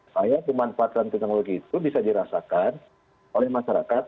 saya pemanfaatan teknologi itu bisa dirasakan oleh masyarakat